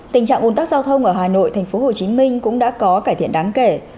tình trạng bùn tắc giao thông ở hà nội thành phố hồ chí minh cũng đã có cải thiện đáng kể